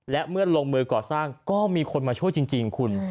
และเมื่อลงมือก่อสร้างก็มีคนมาช่วยจริงคุณ